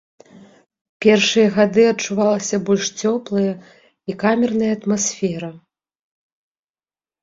Першыя гады адчувалася больш цёплая і камерная атмасфера.